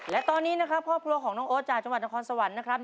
และตอนนี้นะครับครอบครัวของน้องโอ๊ตจากจังหวัดนครสวรรค์นะครับ